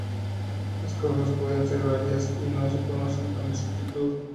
Las causas pueden ser varias y no se conocen con exactitud.